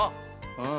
うん。